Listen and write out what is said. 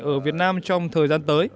ở việt nam trong thời gian tới